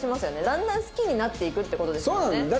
だんだん好きになっていくって事ですもんね。